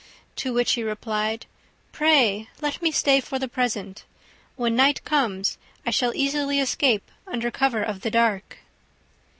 To which he replied, "Pray let me stay for the present. When night comes I shall easily escape under cover of the dark."